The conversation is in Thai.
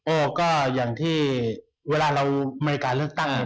ก็อย่างที่เวลาเรามีการเลือกตั้งเนี่ย